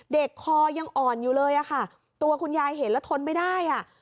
คอยังอ่อนอยู่เลยอะค่ะตัวคุณยายเห็นแล้วทนไม่ได้อ่ะ